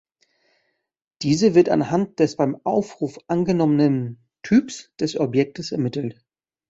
Diese wird anhand des beim Aufruf angenommenen Typs des Objektes ermittelt.